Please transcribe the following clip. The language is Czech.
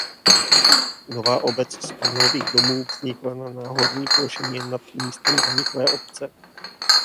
Nová obec z panelových domů vznikla na náhorní plošině nad místem zaniklé obce.